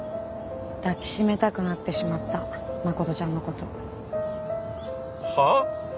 抱きしめたくなってしまった真琴ちゃんの事。はあ！？